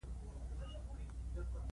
زندان څخه د وتلو یوه لاره چاره و سنجوم.